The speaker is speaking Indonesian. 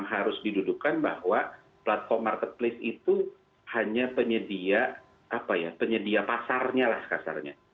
jadi harus didudukkan bahwa platform marketplace itu hanya penyedia pasarnya lah kasarnya